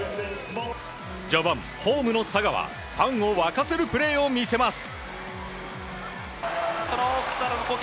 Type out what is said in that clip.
序盤、ホームの佐賀はファンを沸かせるプレーを見せます。